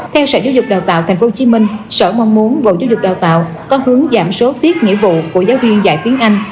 theo sở giáo dục đào tạo tp hcm sở mong muốn bộ giáo dục đào tạo có hướng giảm số tiết nghĩa vụ của giáo viên dạy tiếng anh